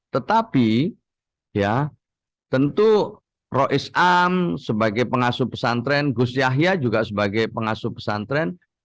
tetapi ya tentu ⁇ rois am sebagai pengasuh pesantren gus yahya juga sebagai pengasuh pesantren